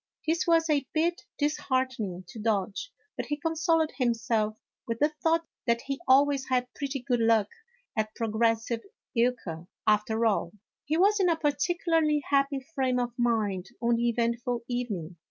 This was a bit disheartening to Dodge, but he consoled himself with the thought that he always had pretty good luck at progressive euchre, after all. He was in a particularly happy frame of mind on the eventful evening.